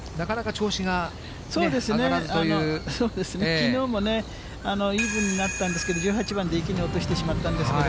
きのうもね、イーブンになったんですけれども、１８番で池に落としてしまったんですけど。